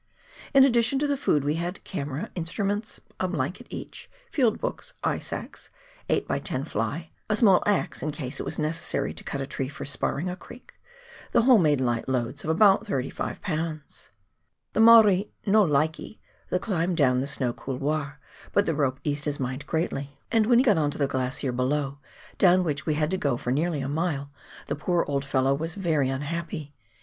In addition to the food we had camera, instruments, a blanket each, field books, ice axe, 8 by 10 fly, and a small axe in case it was necessary to cut a tree for "sparring" a creek; the whole made light loads of about 35 lbs. The Maori " no likee " the climb down the snow couloir, but the rope eased his mind greatly, and when he got on to the 216 PIONEER WORE IN THE ALPS OF NEW ZEALAND. glacier below, down wliicli we had to go for nearly a mile, the poor old fellow was very unhappy.